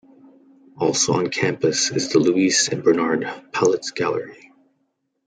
Also on campus is the Louise and Bernard Palitz Gallery.